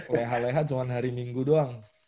lihat lihat cuma hari minggu doang